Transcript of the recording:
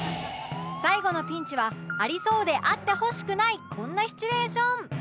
最後のピンチはありそうであってほしくないこんなシチュエーション